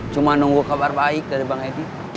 cuma nunggu kabar baik dari bang edi